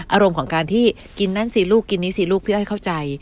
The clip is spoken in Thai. อารมณ์ของการที่กินนั่นสิลูกกินนี้สิลูกพี่อ้อยเข้าใจ